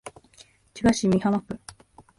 千葉市美浜区